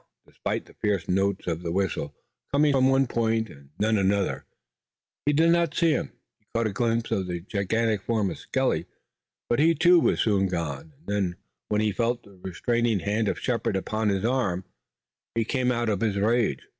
Despite the fierce notes of the whistle, coming from one point and then another, he did not see him. He caught a glimpse of the gigantic form of Skelly, but he too was soon gone, and then when he felt the restraining hand of Shepard upon his arm he came out of his rage.